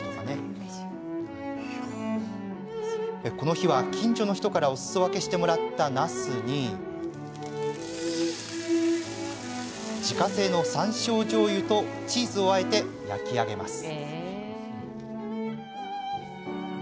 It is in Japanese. この日は、近所の人からおすそ分けしてもらったなすに自家製の、さんしょうじょうゆとチーズをあえて、焼き上げます。